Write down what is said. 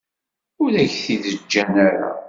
Ur ak-t-id-ǧǧan ara.